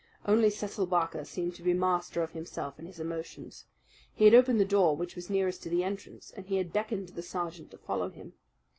Only Cecil Barker seemed to be master of himself and his emotions; he had opened the door which was nearest to the entrance and he had beckoned to the sergeant to follow him.